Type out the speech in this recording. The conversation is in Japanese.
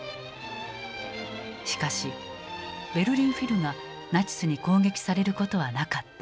しかしベルリン・フィルがナチスに攻撃されることはなかった。